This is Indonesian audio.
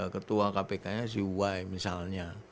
ketua kpk nya si y misalnya